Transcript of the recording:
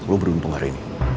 lo beruntung hari ini